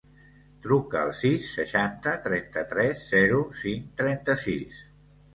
Truca al sis, seixanta, trenta-tres, zero, cinc, trenta-sis.